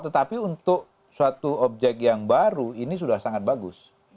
tetapi untuk suatu objek yang baru ini sudah sangat bagus